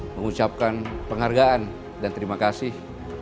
mengucapkan penghargaan dan terima kasih